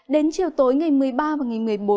đến chiều tối ngày một mươi ba và ngày một mươi bốn